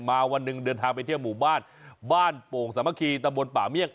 วันหนึ่งเดินทางไปเที่ยวหมู่บ้านบ้านโป่งสามัคคีตะบนป่าเมี่ยง